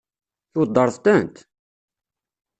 Tweddṛeḍ-tent?